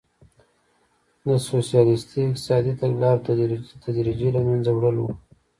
د سوسیالیستي اقتصادي تګلارو تدریجي له منځه وړل وو.